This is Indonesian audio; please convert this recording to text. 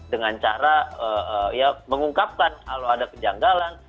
dengan cara ya mengungkapkan kalau ada kejanggalan